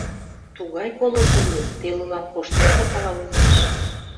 Тугай колызо лийын, телылан коштен сакала улмаш.